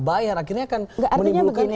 bayar akhirnya akan menimbulkan